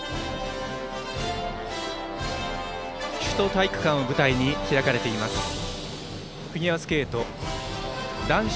首都体育館を舞台に開かれています